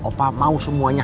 opa mau semuanya